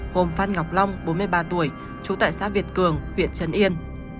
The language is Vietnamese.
gồm phan ngọc long bốn mươi ba tuổi trú tại xã việt cường huyện trần yên